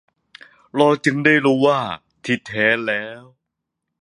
เราจึงได้รู้ว่า ที่แท้แล้ว